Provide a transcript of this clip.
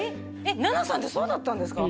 ナナさんってそうだったんですか？